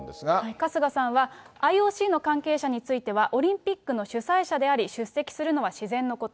春日さんは、ＩＯＣの関係者については、オリンピックの主催者であり、出席するのは自然のこと。